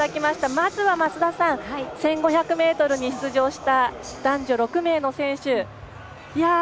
まずは増田さん１５００ｍに出場した男女６名の選手。